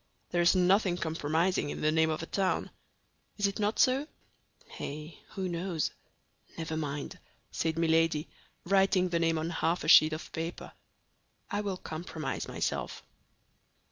There is nothing compromising in the name of a town. Is it not so?" "Eh, who knows? Never mind," said Milady, writing the name on half a sheet of paper; "I will compromise myself."